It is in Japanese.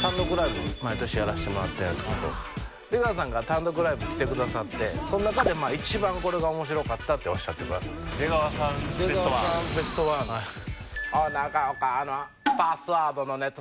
単独ライブ毎年やらしてもらってんですけど出川さんが単独ライブ来てくださってその中で一番これが面白かったとおっしゃってくださったおう中岡あのパスワードのネタ